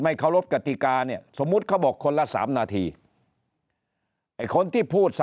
เคารพกติกาเนี่ยสมมุติเขาบอกคนละ๓นาทีไอ้คนที่พูด